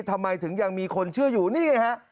ทำไมถึงยังมีคนเชื่ออยู่นี่ไงฮะ